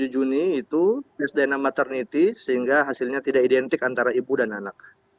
dua puluh juni itu tes dna maternity sehingga hasilnya tidak identik antara ibu dan anak